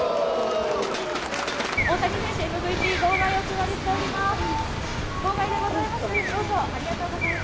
大谷選手、ＭＶＰの号外をお配りしています。